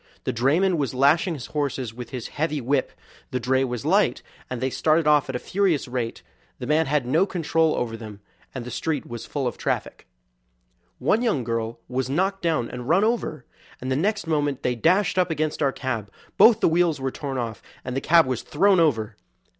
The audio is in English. The drayman was lashing his horses with his heavy whip; the dray was light, and they started off at a furious rate; the man had no control over them, and the street was full of traffic. One young girl was knocked down and run over, and the next moment they dashed up against our cab; both the wheels were torn off and the cab was thrown over.